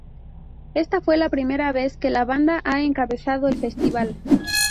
Esta fue la primera vez que la banda ha encabezado el festival.